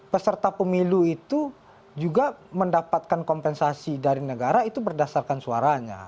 peserta pemilu itu juga mendapatkan kompensasi dari negara itu berdasarkan suaranya